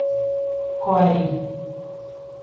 Coari